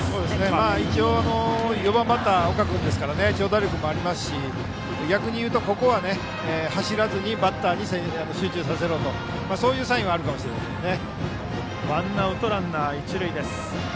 一応、４番バッター岡君ですから長打力もあるし逆に言うと、ここは走らずにバッターに集中させろというサインはあるかもしれないですね。